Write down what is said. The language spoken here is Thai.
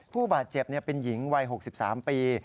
ผู้บาดเจ็บเป็นหญิงวัย๖๓ปี